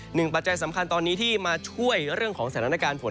ปัจจัยสำคัญตอนนี้ที่มาช่วยเรื่องของสถานการณ์ฝน